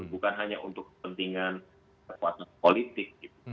bukan hanya untuk kepentingan kekuatan politik